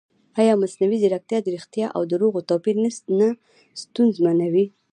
ایا مصنوعي ځیرکتیا د ریښتیا او دروغو توپیر نه ستونزمنوي؟